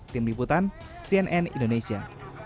tim liputan cnn indonesia